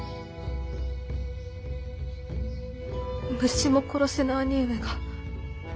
虫も殺せぬ兄上が戦場に。